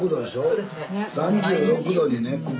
そうですね。